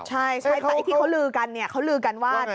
ใช่แต่ไอ้ที่เขาลือกันเนี่ยเขาลือกันว่า